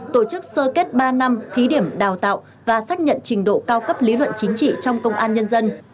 tổ chức sơ kết ba năm thí điểm đào tạo và xác nhận trình độ cao cấp lý luận chính trị trong công an nhân dân